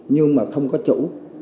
nhưng mà không có chủ